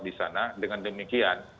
disana dengan demikian